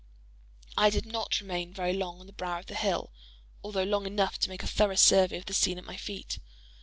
I did not remain very long on the brow of the hill, although long enough to make a thorough survey of the scene at my feet.